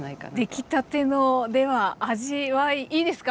出来たてのでは味わいいいですか？